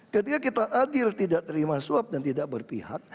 ketika kita adil tidak terima suap dan tidak berpihak